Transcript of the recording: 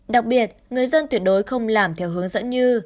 đặc biệt người dân tuyệt đối không làm theo hướng dẫn như